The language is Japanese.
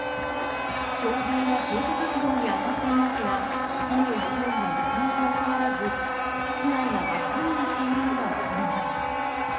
消防が消火活動に当たっていますが、火の勢いはなかなか収まらず、室内が真っ赤になっているのが分かります。